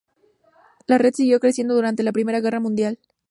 La red siguió creciendo durante la Primera Guerra Mundial.